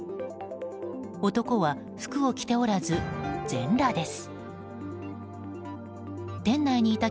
男は服を着ておらず、全裸です。